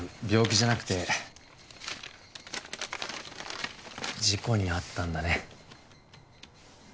病気じゃなくて事故に遭ったんだね